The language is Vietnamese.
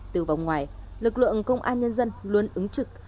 từ vòng ngoài lực lượng công an nhân dân luôn ứng trực